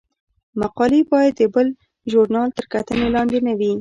مقالې باید د بل ژورنال تر کتنې لاندې نه وي.